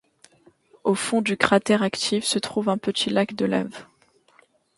Au fond du cratère actif se trouve un petit lac de lave.